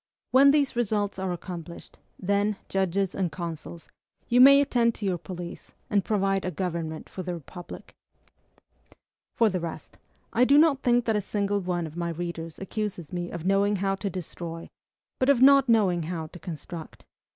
when these results are accomplished, then, judges and consuls, you may attend to your police, and provide a government for the Republic! For the rest, I do not think that a single one of my readers accuses me of knowing how to destroy, but of not knowing how to construct.